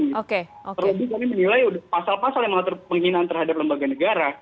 terlebih kami menilai pasal pasal yang mengatur penghinaan terhadap lembaga negara